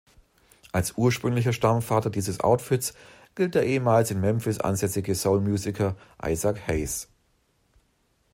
Als ursprünglicher Stammvater dieses Outfits gilt der ehemals in Memphis ansässige Soul-Musiker Isaac Hayes.